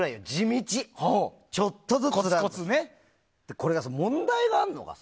これが問題があるのがさ。